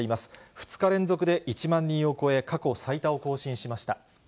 ２日連続で１万人を超え、過去最多を更新しました。